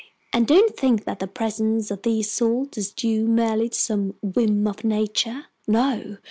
And don't think that the presence of these salts is due merely to some whim of nature. No.